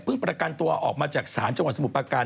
ประกันตัวออกมาจากศาลจังหวัดสมุทรประการ